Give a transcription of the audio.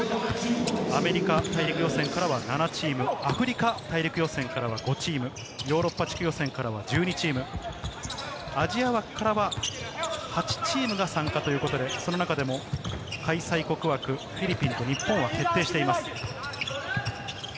アメリカ大陸予選からは７チーム、アフリカ大陸予選からは５チーム、ヨーロッパ地区予選からは１２チーム、アジア枠からは８チームが参加ということで、その中でも開催国枠、フィリピンと日本は決定しています。